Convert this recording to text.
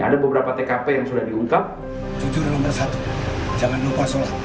ada beberapa tkp yang sudah diungkap